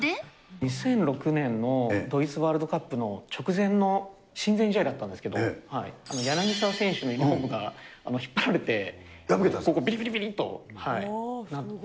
２００６年のドイツワールドカップの直前の親善試合だったんですけれども、柳沢選手のユニホームが引っ張られて、ここ、びりびりびりっとなって。